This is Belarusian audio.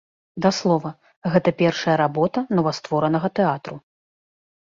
Да слова, гэта першая работа новастворанага тэатру.